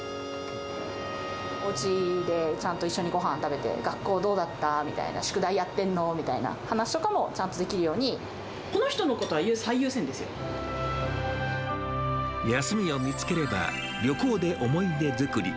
おうちでちゃんと一緒にごはんを食べて、学校どうだった？みたいな、宿題やってんの？みたいな話とかもちゃんとできるように、この人休みを見つければ、旅行で思い出作り。